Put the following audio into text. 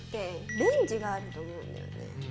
「レンジ」があると思うんだよね。